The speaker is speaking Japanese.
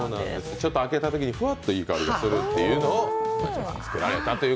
ちょっと開けたときにふわっといい香りがするという。